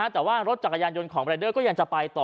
แต่ว่ารถจักรยานยนต์ของรายเดอร์ก็ยังจะไปต่อ